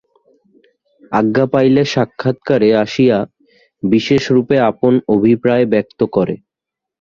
আজ্ঞা পাইলে সাক্ষাৎকারে আসিয়া বিশেষ রূপে আপন অভিপ্রায় ব্যক্ত করে।